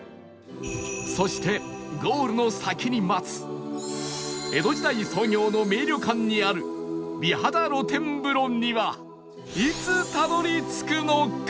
そしてゴールの先に待つ江戸時代創業の名旅館にある美肌露天風呂にはいつたどり着くのか？